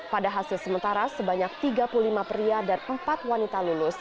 pada hasil sementara sebanyak tiga puluh lima pria dan empat wanita lulus